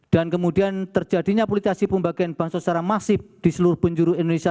dan kemudian terjadinya politisasi pembagian bansor secara masif di seluruh penjuru indonesia